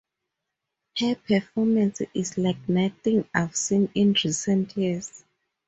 Her performance is like nothing I've seen in recent years.